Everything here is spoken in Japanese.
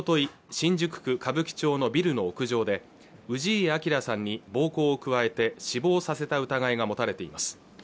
新宿歌舞伎町のビルの屋上で氏家彰さんに暴行を加えて死亡させた疑いが持たれています